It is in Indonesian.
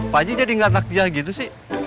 pakcik jadi gak takjiah gitu sih